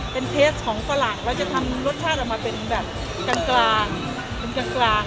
เป็นเทสต์ของฝรั่งแล้วจะทำรสชาติออกมาเป็นแบบกลาง